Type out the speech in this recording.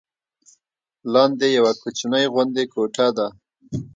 لاندې یوه کوچنۍ غوندې کوټه ده.